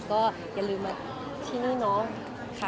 ก็อย่าลืมมาที่นี่เนาะ